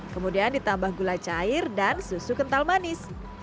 kemudian ditambah gula cair dan susu kental manis